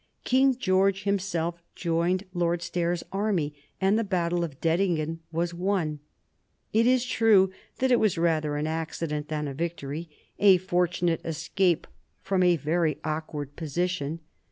King George him self joined Lord Stair's army, and the battle of Dettingen was won. It is true that it was rather an accident than a victory, a fortunate escape from a very awkward position.